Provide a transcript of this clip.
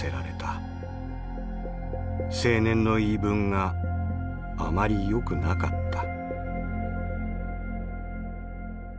青年の言い分があまりよくなかった」。